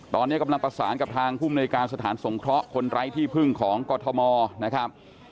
ตอนนี้กำลังประสานกับทางภูมิในการสถานสงเคราะห์คนไร้ที่พึ่งของกรทมนะครับ